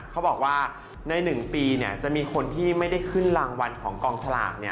เขาบอกว่าใน๑ปีจะมีคนที่ไม่ได้ขึ้นรางวัลของกองสลาก